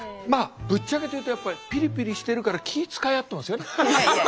ぶっちゃけて言うとピリピリしてるから気ぃ遣い合ってますよね。